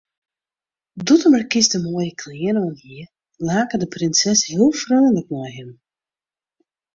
Doe't de markys de moaie klean oanhie, lake de prinses heel freonlik nei him.